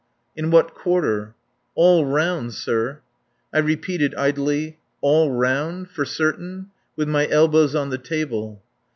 "In what quarter?" "All round, sir." I repeated idly: "All round. For certain," with my elbows on the table.